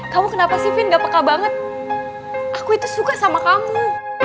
kamu kenapa sih vin gak peka banget aku itu suka sama kamu